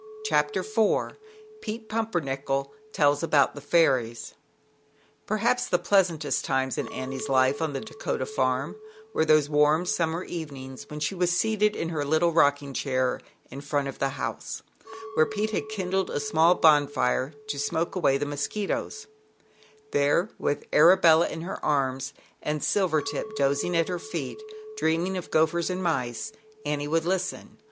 Chapter IV Pete P\impernickel tells e^boxit the Fairies THE pleasantest times in Annie's life on the Dakota farm were those warm sum mer evenings when she was seated in her little rocking chair in front of the house, where Pe had kindled a small bonfire to smo away the mosquitos, There, with Arabella in her arms, and Silvertip dozing at her feet, dreaming o gophers and mice, Annie would listen 52 ZAUBERLINDA, THE WISE WITCH.